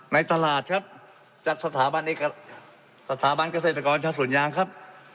ในตลาดครับจากสถาบันเกษตรกรชาวสวนยางครับ